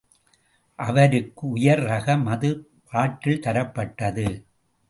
அவருக்கு உயர் ரக மது பாட்டில் தரப்பட்டது.